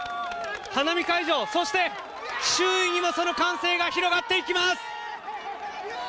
花見会場、そして周囲にもその歓声が広がっていきます！